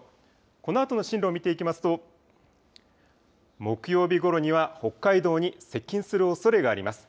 このあとの進路を見ていきますと、木曜日ごろには、北海道に接近するおそれがあります。